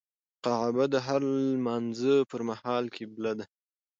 کعبه د هر لمونځه پر مهال قبله ده.